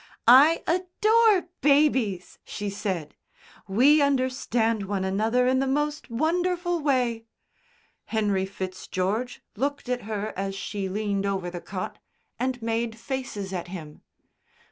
"I adore babies," she said. "We understand one another in the most wonderful way." Henry Fitzgeorge looked at her as she leaned over the cot and made faces at him.